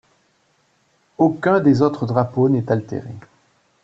Aucun des autres drapeaux n'est altéré.